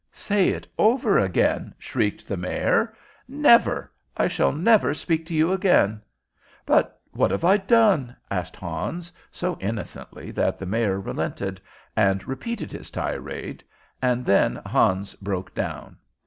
"Say it over again?" shrieked the Mayor. "Never. I shall never speak to you again." "But what have I done?" asked Hans, so innocently that the Mayor relented and repeated his tirade, and then Hans broke down.